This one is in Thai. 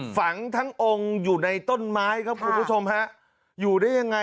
ฝังทั้งองค์อยู่ในต้นไม้ครับคุณผู้ชมฮะอยู่ได้ยังไง